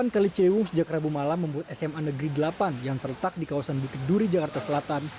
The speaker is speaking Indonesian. delapan kali cewung sejak rabu malam membuat sma negeri delapan yang terletak di kawasan bukit duri jakarta selatan